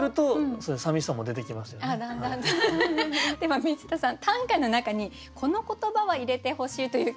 は水田さん短歌の中にこの言葉は入れてほしいという